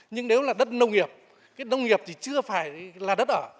nhưng nếu là đất nông nghiệp đất nông nghiệp thì chưa phải là đất ở